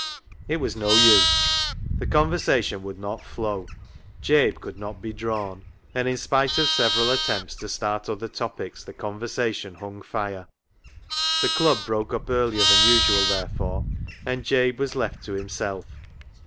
It was no use. The conversation would not flow — Jabe could not be drawn ; and in spite of several attempts to start other topics, the conversation hung fire. The Club broke up earlier than usual therefore, and Jabe was left to himself.